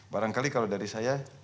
barangkali kalau dari saya